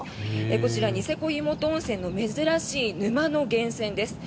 こちらニセコ湯元温泉の珍しい沼の源泉です。